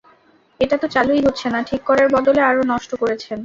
এটাতো চালুই হচ্ছে না ঠিক করার বদলে আরো নষ্ট করেছেন?